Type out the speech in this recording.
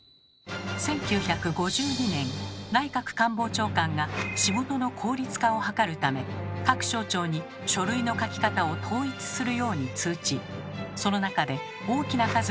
１９５２年内閣官房長官が仕事の効率化を図るため各省庁に書類の書き方を統一するように通知。